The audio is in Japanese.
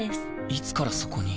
いつからそこに？